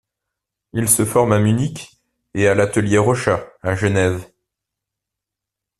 Il se forme à Munich et à l'atelier Rochat à Genève.